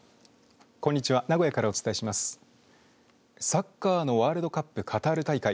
サッカーワールドカップカタール大会